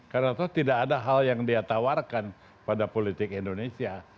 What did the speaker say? karena tidak ada hal yang dia tawarkan pada politik indonesia